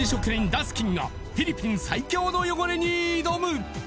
ダスキンがフィリピン最強の汚れに挑む